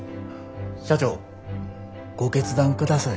社長ご決断ください。